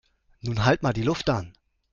Nun halt mal die Luft an!